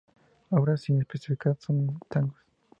Obras sin especificar son tangos.